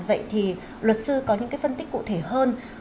vậy thì luật sư có những cái phân tích cụ thể hơn